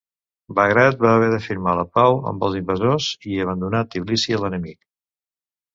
Bagrat va haver de firmar la pau amb els invasors i abandonar Tbilisi a l'enemic.